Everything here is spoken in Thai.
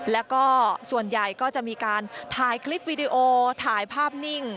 แล้วก็ส่วนใหญ่ก็จะมีการถ่ายคลิปวิดีโอถ่ายภาพนิ่ง